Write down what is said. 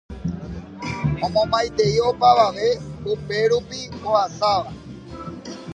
Omomaitei opavave upérupi ohasáva